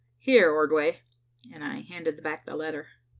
Here, Ordway," and I handed back the letter.